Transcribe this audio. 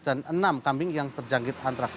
dan enam kambing yang terjangkit antraks